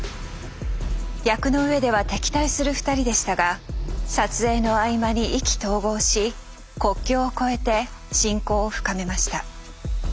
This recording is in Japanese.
役の上では敵対する２人でしたが撮影の合間に意気投合し国境を超えて親交を深めました。